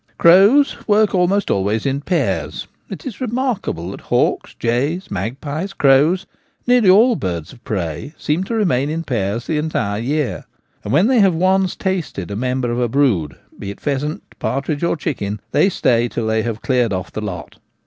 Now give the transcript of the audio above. Crows work almost always in pairs — it is remark Habits of the Crow. 1 29 able that hawks, jays, magpies, crows, nearly all birds of prey, seem to remain in pairs the entire year — and when they have once tasted a member of a brood, be it pheasant, partridge, or chicken, they stay till they have cleared off the lot.